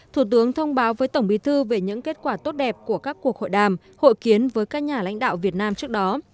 thủ tướng thông báo với tổng bí thư về những kết quả tốt đẹp của các cuộc hội đàm hội kiến với các nhà lãnh đạo việt nam trước đó